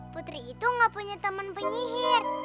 putri itu gak punya teman penyihir